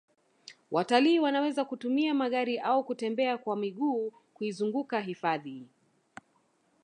watalii wanaweza kutumia magari au kutembea kwa miguu kuizunguka hifadhi